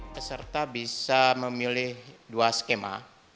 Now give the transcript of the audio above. peserta bisa memilih dua skema